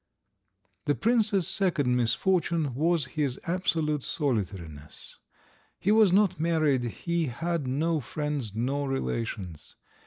The prince's second misfortune was his absolute solitariness. He was not married, he had no friends nor relations.